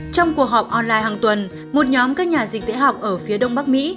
trong cuộc họp online hàng tuần một nhóm các nhà dịch tễ học ở phía đông bắc mỹ